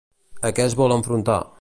A què es vol enfrontar?